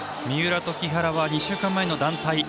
三浦と木原は２週間前の団体